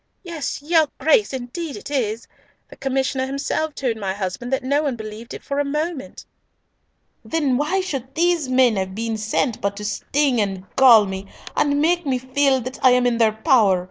"Yes, your Grace, indeed it is! The Commissioner himself told my husband that no one believed it for a moment." "Then why should these men have been sent but to sting and gall me, and make me feel that I am in their power?"